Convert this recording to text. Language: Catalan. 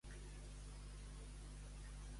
Posar peus davall taula.